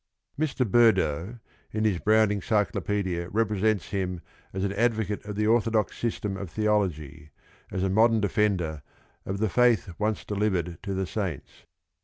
Mr. Berdoe in his Browning Cyclopaedia repre sents him as an advocate of the orthodox system of theology, as a modern defender of the "faith once delivered to the saints."